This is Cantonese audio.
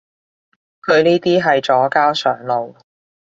佢呢啲係左膠上腦